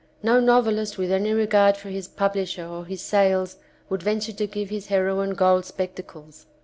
No novelist with any regard for his publisher or his sales would venture to give his heroine gold spectacles.